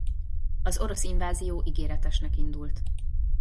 Az orosz invázió ígéretesnek indult.